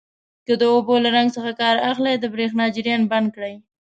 که د اوبو له رنګ څخه کار اخلئ د بریښنا جریان بند کړئ.